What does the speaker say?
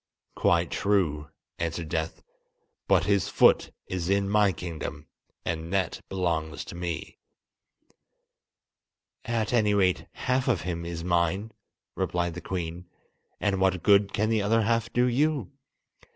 "Quite true," answered Death; "but his foot is in my kingdom, and that belongs to me!" "At any rate half of him is mine," replied the Queen, "and what good can the other half do you?